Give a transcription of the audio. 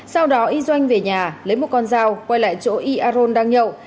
sau đó y doanh về nhà lấy một con dao quay lại chỗ y aron đang nhậu